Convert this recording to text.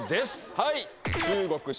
はい！